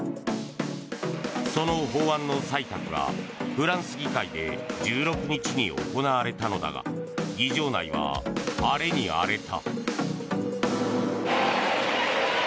その法案の採択がフランス議会で１６日に行われたのだが議場内は荒れに荒れた。